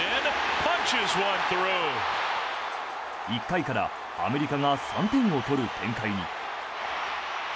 １回からアメリカが３点を取る展開に。